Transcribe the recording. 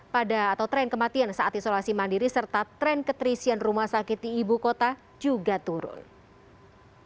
pada atau tren kematian saat isolasi mandiri serta tren keterisian rumah sakit di ibu kota juga turun